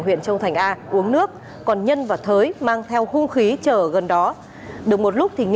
huyện châu thành a uống nước còn nhân và thới mang theo hung khí chờ ở gần đó được một lúc